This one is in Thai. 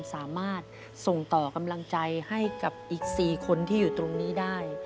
สามารถส่งต่อกำลังใจให้กับอีก๔คนที่อยู่ตรงนี้ได้